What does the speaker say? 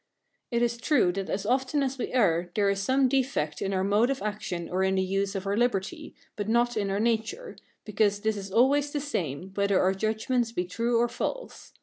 It is true, that as often as we err, there is some defect in our mode of action or in the use of our liberty, but not in our nature, because this is always the same, whether our judgments be true or false.